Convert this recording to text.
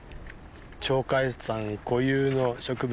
鳥海山固有の植物